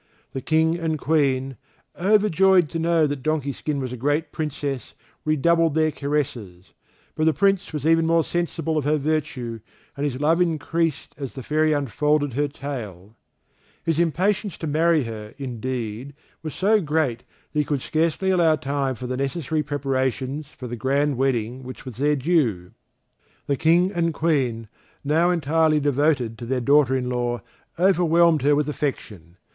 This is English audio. The King and Queen, overjoyed to know that Donkey skin was a great Princess redoubled their caresses, but the Prince was even more sensible of her virtue, and his love increased as the Fairy unfolded her tale. His impatience to marry her, indeed, was so great that he could scarcely allow time for the necessary preparations for the grand wedding which was their due. The King and Queen, now entirely devoted to their daughter in law, overwhelmed her with affection.